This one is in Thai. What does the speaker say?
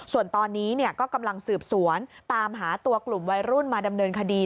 ส่วนตอนนี้ก็กำลังสืบสวนตามหาตัวกลุ่มวัยรุ่นมาดำเนินคดี